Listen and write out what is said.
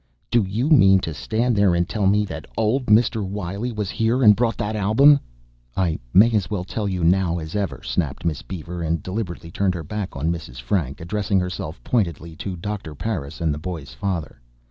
"Do you mean to stand there and tell me that old Mr. Wiley was here and brought that album?" "I may as well tell you now as ever," snapped Miss Beaver and deliberately turned her back upon Mrs. Frank, addressing herself pointedly to Doctor Parris and the boy's father.